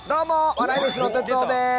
笑い飯の哲夫です。